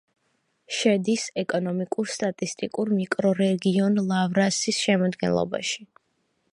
შედის ეკონომიკურ-სტატისტიკურ მიკრორეგიონ ლავრასის შემადგენლობაში.